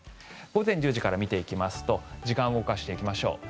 午前１０時から見ていきますと時間を動かしていきましょう。